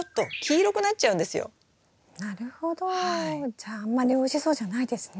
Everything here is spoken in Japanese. じゃああんまりおいしそうじゃないですね。